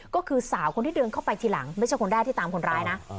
ก็คือสาวคนที่เดินเข้าไปทีหลังไม่ใช่คนแรกที่ตามคนร้ายนะ